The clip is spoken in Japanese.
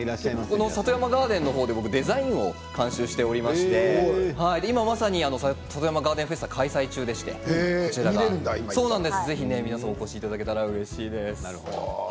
里山ガーデンのほうでもデザインを監修しておりまして今まさに里山ガーデンフェスタ開催中でしてぜひ皆さん、お越しいただけたらうれしいです。